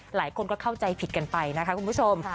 หลายคนก็เข้าใจผิดกันไปนะคะคุณผู้ชม